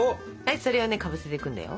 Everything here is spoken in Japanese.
それをねかぶせていくんだよ。